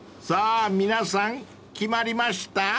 ［さぁ皆さん決まりました？］